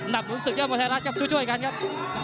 หนับหนุนสุขย้ำมวยไทยรัฐครับช่วยกันครับ